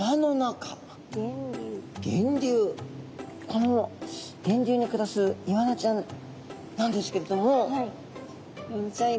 この源流に暮らすイワナちゃんなんですけれどもイワナちゃん